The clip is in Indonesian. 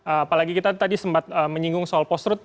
apalagi kita tadi sempat menyinggung soal post truth